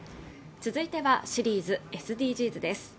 続いてはシリーズ「ＳＤＧｓ」です